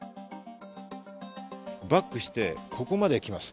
バックしてここまで来ました。